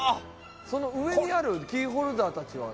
その上にあるキーホルダーたちは？